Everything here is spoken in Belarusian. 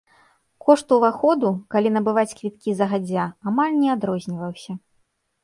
Кошт уваходу, калі набываць квіткі загадзя, амаль не адрозніваўся.